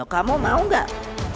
kamu mau gak